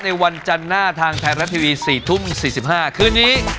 วันจันทร์หน้าทางไทยรัฐทีวี๔ทุ่ม๔๕คืนนี้